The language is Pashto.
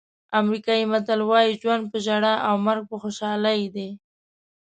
امریکایي متل وایي ژوند په ژړا او مرګ په خوشحالۍ دی.